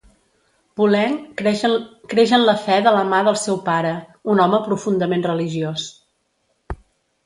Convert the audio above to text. Poulenc creix en la fe de la mà del seu pare, un home profundament religiós.